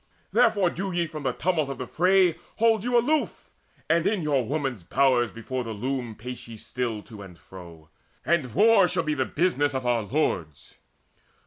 Therefore do ye from tumult of the fray Hold you aloof, and in your women's bowers Before the loom still pace ye to and fro; And war shall be the business of our lords.